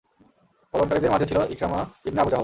পলায়নকারীদের মাঝে ছিল ইকরামা ইবনে আবু জাহল।